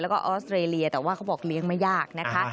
แล้วก็ออสเตรเลียแต่ว่าเขาบอกเลี้ยงไม่ยากนะคะ